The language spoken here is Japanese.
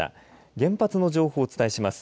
原発の情報をお伝えします。